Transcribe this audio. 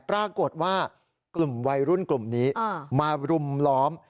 ปรากฏว่ากลุ่มวัยรุ่นกลุ่มนี้มารุมล้อม